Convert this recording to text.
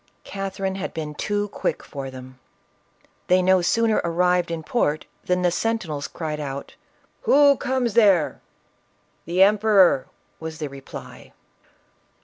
Catherine bad been too quick for them. They no sooner arrived in port than the sentinels cried out, " Who comes there ?"" The emperor," was the reply.